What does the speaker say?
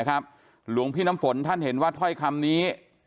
หลวงพี่น้ำฝนท่านเห็นว่าถ้อยคำนี้